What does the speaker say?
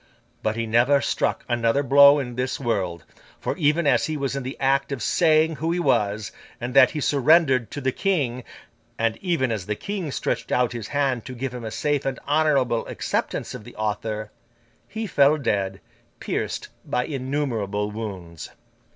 But, he never struck another blow in this world; for, even as he was in the act of saying who he was, and that he surrendered to the King; and even as the King stretched out his hand to give him a safe and honourable acceptance of the offer; he fell dead, pierced by innumerable wounds.